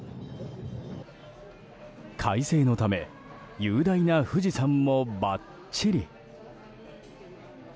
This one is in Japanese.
快晴のため雄大な富士山もばっちり。